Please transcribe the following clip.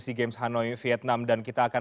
sea games hanoi vietnam dan kita akan